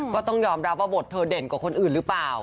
ก็ต้องยอมรับว่าบทเธอเด่นกว่าคนอื่นหรือเปล่า